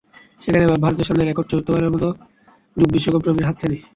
সেখানে এবার ভারতের সামনে রেকর্ড চতুর্থবারের মতো যুব বিশ্বকাপ ট্রফির হাতছানি।